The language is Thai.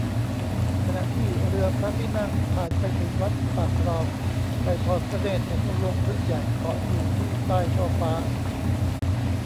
ขณะที่เรือพระที่นั่งผ่านไปถึงวัดปากคลอง ได้ทอดพระเนตรเห็นรวงผึ้งใหญ่เกาะอยู่ที่ใต้ช่อฟ้า